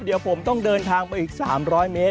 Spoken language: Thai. เดี๋ยวผมต้องเดินทางไปอีก๓๐๐เมตร